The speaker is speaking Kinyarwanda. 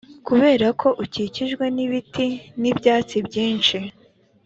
kubera ko ukikijwe n ibiti n ibyatsi byinshi